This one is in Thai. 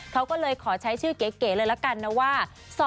เขาก็เลยขอใช้ชื่อเก๋เลยละกันนะว่า